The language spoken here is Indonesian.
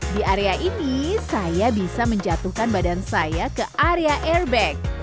di area ini saya bisa menjatuhkan badan saya ke area airbag